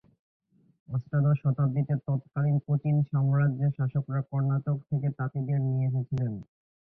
অষ্টাদশ শতাব্দীতে তৎকালীন কোচিন সাম্রাজ্যের শাসকরা কর্ণাটক থেকে তাঁতিদের নিয়ে এসেছিলেন।